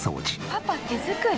パパ手作り！？